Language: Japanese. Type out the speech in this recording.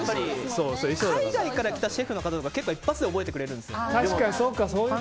海外から来たシェフの方とか結構一発で覚えてくれるんですよ。